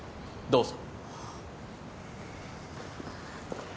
・どうぞ。